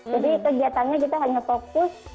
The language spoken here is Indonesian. jadi kegiatannya kita hanya fokus